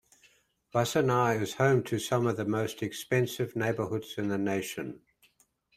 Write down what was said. Wassenaar is home to some of the most expensive neighbourhoods in the nation.